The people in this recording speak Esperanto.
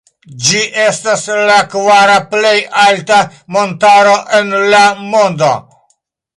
Ĝi estas la kvara plej alta montaro en la mondo.